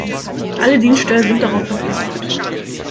Alle Dienststellen sind darauf verpflichtet.